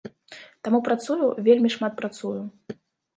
Таму працую, вельмі шмат працую.